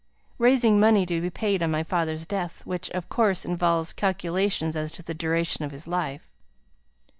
"Raising money to be paid on my father's death, which, of course, involves calculations as to the duration of his life."